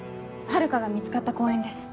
遥香が見つかった公園です